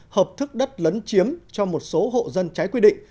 hợp thức đất lấn chiếm cho một số hộ dân trái quy định